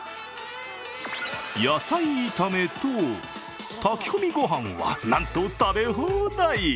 野菜炒めと、炊き込みごはんはなんと食べ放題。